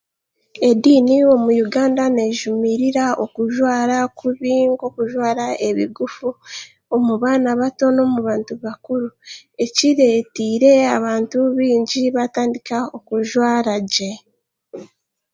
Ediini omu Uganda neejumirira okujwara kubi, okujwara ebigufu omu baana bato n'omu bantu bakuru, ekireeteire abantu baingi baatandika okujwara gye.